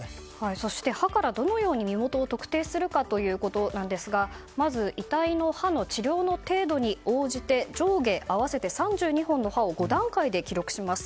そして、歯からどのように身元を特定するかというとまず遺体の歯の治療の程度に応じて上下合わせて３２本の歯を５段階で記録します。